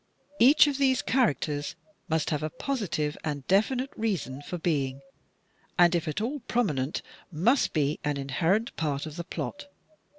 Each of these characters must have a positive and definite reason for being, and, if at all prominent, must be an inherent part of the plot.